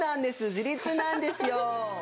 自立なんですよ！